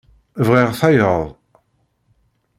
Bɣiɣ tayeḍ.